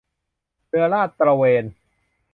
เรือลาดตระเวน